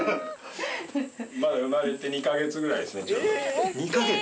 まだ生まれて２か月ぐらいですね。